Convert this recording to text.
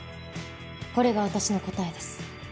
これが私の答えです。